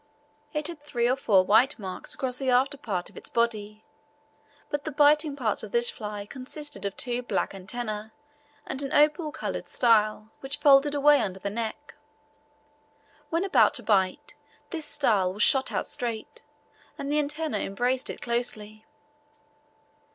It had three or four white marks across the after part of its body; but the biting parts of this fly consisted of two black antennae and an opal coloured style, which folded away under the neck. When about to bite, this style was shot out straight, and the antennae embraced it closely.